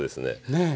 ねえ。